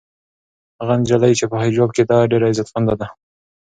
هغه نجلۍ چې په حجاب کې ده ډېره عزتمنده ده.